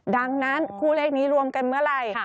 ดังนั้นคู่เลขนี้รวมกันเมื่อไหร่